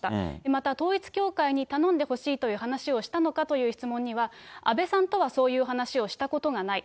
また統一教会に頼んでほしいという話をしたのかという質問には、安倍さんとはそういう話をしたことはない。